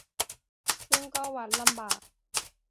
ซึ่งก็วัดลำบาก